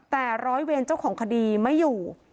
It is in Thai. แต่ร้อยเวรเจ้าของคดีไม่อยู่